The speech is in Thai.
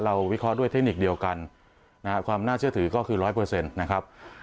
เราวิเคราะห์ด้วยเทคนิคเดียวกันความน่าเชื่อถือก็คือ๑๐๐นะครับ